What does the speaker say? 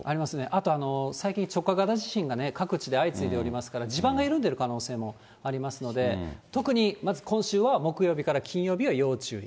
あと最近、直下型地震が各地で相次いでいますから、地盤が緩んでる可能性もありますので、特にまず今週は、木曜日から金曜日は要注意。